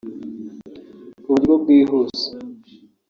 ku buryo bwihuse